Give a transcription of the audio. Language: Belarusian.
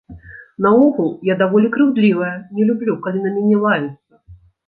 Наогул, я даволі крыўдлівая, не люблю, калі на мяне лаюцца.